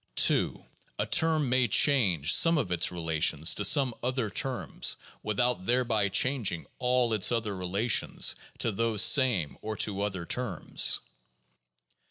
2. A term may change some of its relations to some other terms without thereby changing all its other relations to those same or to other terms.